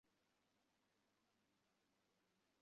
সাধারণত ধর্মভাবকে বিচার-বুদ্ধি দ্বারা নিয়মিত করা উচিত।